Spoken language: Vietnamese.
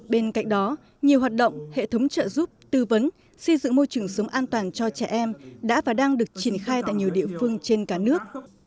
bên cạnh đó nhiều hoạt động hệ thống trợ giúp tư vấn xây dựng môi trường sống an toàn cho trẻ em đã và đang được triển khai tại nhiều địa phương trên cả nước